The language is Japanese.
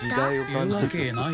「言うわけないよね」